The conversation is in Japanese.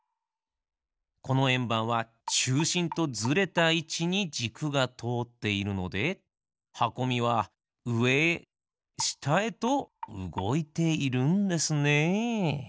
このえんばんはちゅうしんとずれたいちにじくがとおっているのではこみはうえへしたへとうごいているんですね。